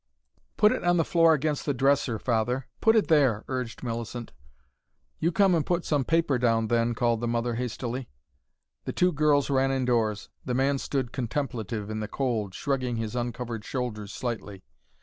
"Put it on the floor against the dresser, Father. Put it there," urged Millicent. "You come and put some paper down, then," called the mother hastily. The two children ran indoors, the man stood contemplative in the cold, shrugging his uncovered shoulders slightly.